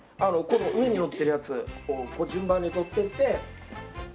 この上にのってるやつを順番に取っていって。